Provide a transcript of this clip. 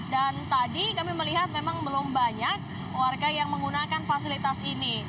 dan tadi kami melihat memang belum banyak warga yang menggunakan fasilitas ini